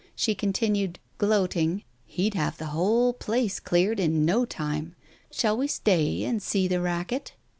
She continued, gloating, "He'd have the whole place cleared in no time. Shall we stay and see the racket